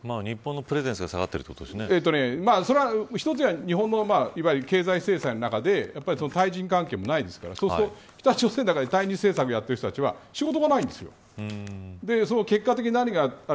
日本のプレゼンスが下がっているそれは１つは日本の経済制裁の中で対人関係もないですからそうすると北朝鮮の中で対日政策をやっている人たちは仕事がないんです。